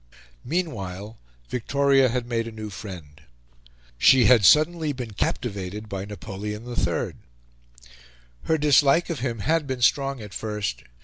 Meanwhile Victoria had made a new friend: she had suddenly been captivated by Napoleon III. Her dislike of him had been strong at first.